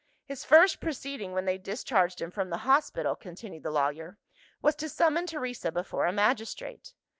"His first proceeding when they discharged him from the hospital," continued the lawyer, "was to summon Teresa before a magistrate.